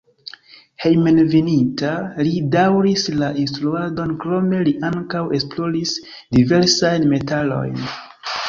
Hejmenveninta li daŭris la instruadon, krome li ankaŭ esploris diversajn metalojn.